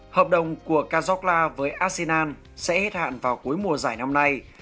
hợp đồng của cazocla với arsenal sẽ hết hạn vào cuối mùa giải năm nay